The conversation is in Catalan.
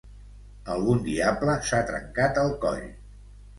Algun diable s'ha trencat el coll.